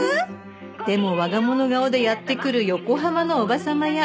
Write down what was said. でも我が物顔でやって来る横浜の叔母様や